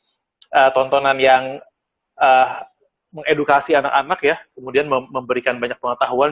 saya juga jadi salah satu tontonan yang mengedukasi anak anak ya kemudian memberikan banyak pengetahuan